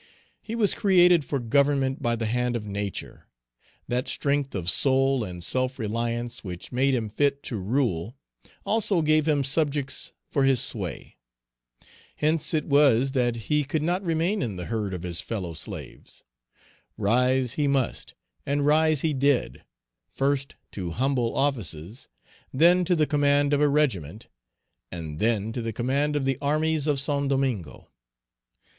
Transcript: He was created for government by the hand of Nature. That strength of soul and self reliance which made him fit to rule also gave him subjects for his sway. Hence it was that he could not remain in the herd of his fellow slaves. Rise he must, and rise he did; first to humble offices, then to the command of a regiment, and then to the command of "the armies of Saint Domingo."